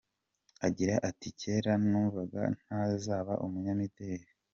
Agira ati “Kera numvaga ntazaba umunyamideri.